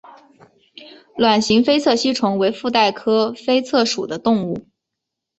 卵形菲策吸虫为腹袋科菲策属的动物。